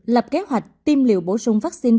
lập kế hoạch tiêm liều bổ sung vaccine